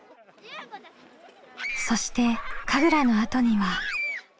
そして神楽のあとには。